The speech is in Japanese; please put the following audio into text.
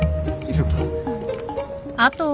急ぐぞ。